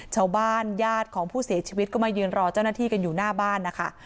ญาติของผู้เสียชีวิตก็มายืนรอเจ้าหน้าที่กันอยู่หน้าบ้านนะคะ